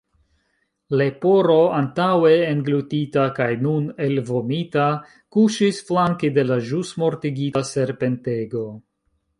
Leporo, antaŭe englutita kaj nun elvomita, kuŝis flanke de la ĵus mortigita serpentego.